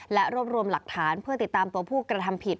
และรวบรวมหลักฐานเพื่อติดตามตัวผู้กระทำผิด